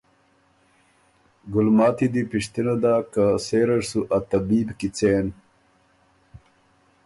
ګُلماتی دی پِشتِنه داک که سېره ر سُو ا طبیب کیڅېن؟